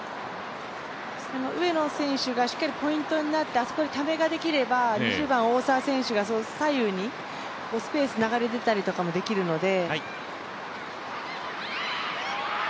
上野選手がしっかりポイントになって、あそこでためができれば、２０番・大澤選手が左右にスペース流れ出たりとかもできるので。